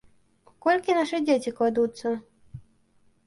У колькі нашы дзеці кладуцца?